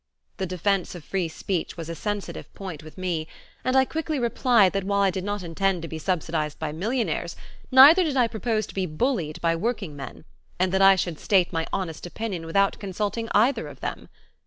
The defense of free speech was a sensitive point with me, and I quickly replied that while I did not intend to be subsidized by millionaires, neither did I propose to be bullied by workingmen, and that I should state my honest opinion without consulting either of them.